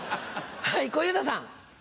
はい小遊三さん。